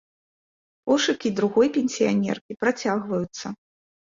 Пошукі другой пенсіянеркі працягваюцца.